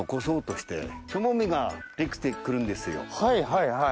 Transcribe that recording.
はいはいはい。